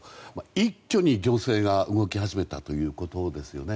一挙に行政が動き始めたということですね。